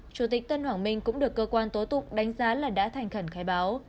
chủ tịch tân hoàng minh cũng được cơ quan tố tụng đánh giá là đã thành khẩn khai báo